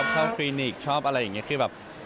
ชอบครีนิกชอบอะไรอย่างเงี้ย